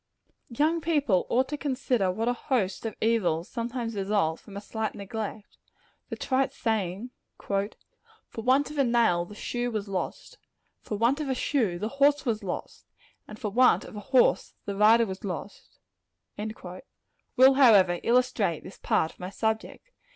Young people ought to consider what a host of evils sometimes result from a slight neglect. The trite saying "For want of a nail, the shoe was lost; for want of a shoe, the horse was lost; and for want of a horse, the rider was lost" will, however, illustrate this part of my subject.